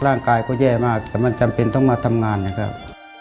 ร่างกายก็แย่มากแต่มันจำเป็นต้องมาทำงานนะครับ